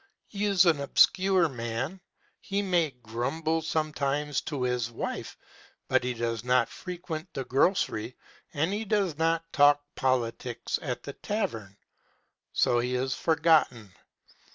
He is an obscure man. He may grumble sometimes to his wife, but he does not frequent the grocery, and he does not talk politics at the tavern. So he is forgotten.